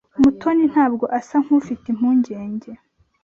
Mutoni ntabwo asa nkufite impungenge.